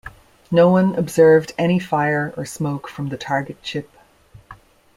No one observed any fire or smoke from the target ship.